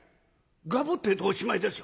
ガブッてえとおしまいですよ。